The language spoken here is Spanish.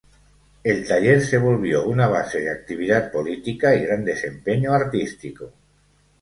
El taller se volvió una base de actividad política y gran desempeño artístico.